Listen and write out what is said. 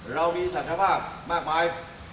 เรามีสัญญาภาพมากมาย